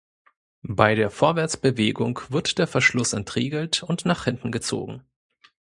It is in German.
Bei der Vorwärtsbewegung wird der Verschluss entriegelt und nach hinten gezogen.